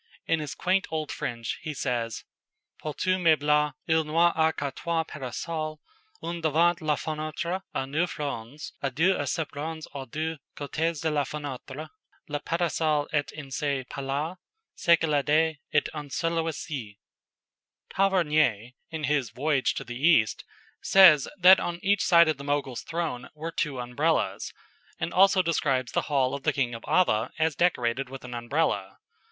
In his quaint old French, he says: "Pour tout meuble il n'y a que trois para sol, un devant la fenêtre, a neuf ronds, & deux à sept ronds aux deux côtéz de la fenêtre. Le para sol est en ce Pais la, ce que le Dais est en celui ci." Tavernier, in his "Voyage to the East," says that on each side of the Mogul's throne were two Umbrellas, and also describes the hall of the King of Ava as decorated with an Umbrella.